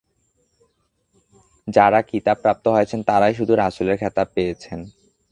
যারা কিতাব প্রাপ্ত হয়েছেন তারাই শুধু রাসুলের খেতাব পেয়েছেন।